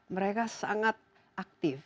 mereka sangat aktif